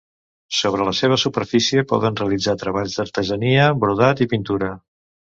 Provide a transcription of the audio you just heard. Sobre la seva superfície poden realitzar treballs d'artesania, brodat i pintura.